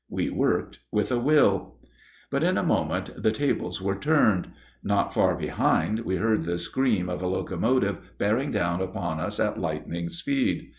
We worked with a will. But in a moment the tables were turned. Not far behind we heard the scream of a locomotive bearing down upon us at lightning speed.